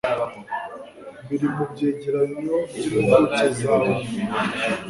biri mu byegeranyo by'impuguke za ONU.